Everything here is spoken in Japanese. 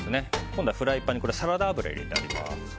今度はフライパンにサラダ油を入れてあります。